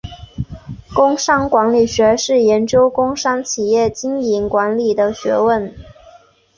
工商管理学是研究工商企业经营管理的学问。